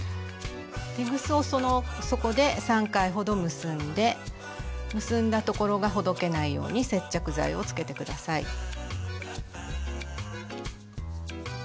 テグスをそこで３回ほど結んで結んだところがほどけないように接着剤をつけて下さい。